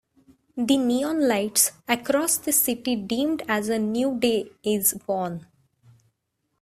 The neon lights across the city dimmed as a new day is born.